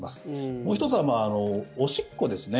もう１つは、おしっこですね。